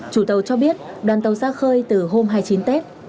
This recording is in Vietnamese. chủ tàu cho biết đoàn tàu ra khơi từ hôm hai mươi chín tết